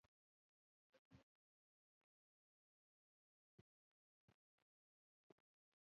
ابن بطوطه دا لوی مرغه له سندباد نکل څخه اخیستی.